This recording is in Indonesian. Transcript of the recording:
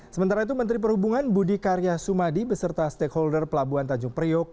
sementara itu menteri perhubungan budi karya sumadi beserta stakeholder pelabuhan tanjung priok